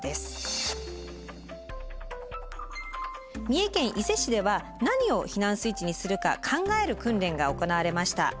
三重県伊勢市では何を避難スイッチにするか考える訓練が行われました。